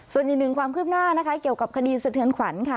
ส่วนอีกหนึ่งความคืบหน้านะคะเกี่ยวกับคดีสะเทือนขวัญค่ะ